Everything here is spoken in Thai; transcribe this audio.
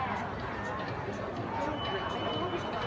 มันเป็นสิ่งที่จะให้ทุกคนรู้สึกว่า